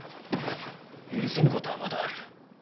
許せぬことはまだある。